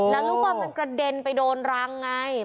แล้วลูกบอลมันกระเด็นไปโดนรังไง